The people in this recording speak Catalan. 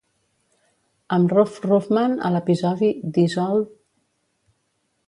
Amb Ruff Ruffman" a l'episodi "This Old...